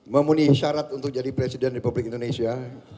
memenuhi syarat untuk jadi presiden republik indonesia